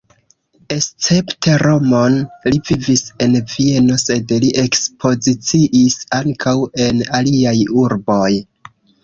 Escepte Romon li vivis en Vieno, sed li ekspoziciis ankaŭ en aliaj urboj.